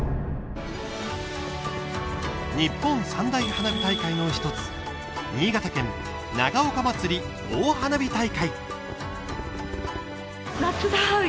日本三大花火大会の１つ新潟県長岡まつり大花火大会。